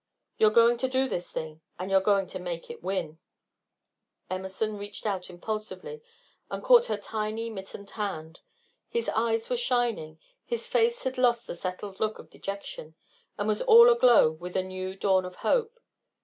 You're going to do this thing, and you're going to make it win." Emerson reached out impulsively and caught her tiny, mittened hand. His eyes were shining, his face had lost the settled look of dejection, and was all aglow with a new dawn of hope.